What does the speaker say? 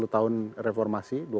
dua puluh tahun reformasi